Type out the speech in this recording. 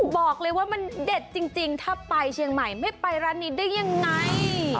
บอกเลยว่ามันเด็ดจริงถ้าไปเชียงใหม่ไม่ไปร้านนี้ได้ยังไง